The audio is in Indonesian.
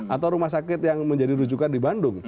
atau rumah sakit yang menjadi rujukan di bandung